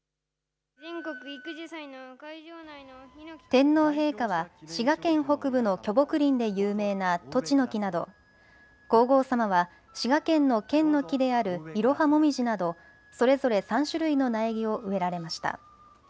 天皇陛下は滋賀県北部の巨木林で有名なトチノキなど、皇后さまは滋賀県の県の木であるイロハモミジなどそれぞれ３種類の苗木を植えられました。